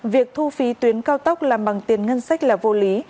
việc thu phí tuyến cao tốc làm bằng tiền ngân sách là vô lý